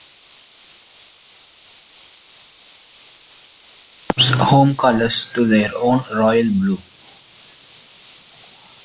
Rangers temporarily changed the club's home colours to their own royal blue.